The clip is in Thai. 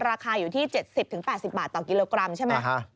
ราคาอยู่ที่๗๐๘๐บาทต่อกิโลกรัมใช่ไหม